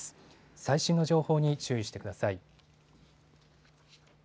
最新の情報に注意してください。